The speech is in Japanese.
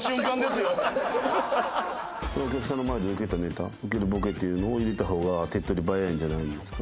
お客さんの前でウケたネタウケるボケっていうのを入れた方が手っ取り早いんじゃないんですか。